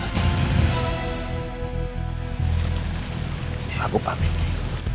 ini lagu pak bengkulu